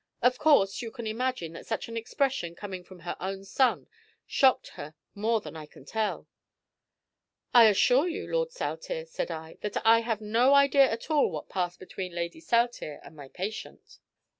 Of course, you can imagine that such an expression coming from her own son, shocked her more than I can tell." "I assure you, Lord Saltire," said I, "that I have no idea at all what passed between Lady Saltire and my patient."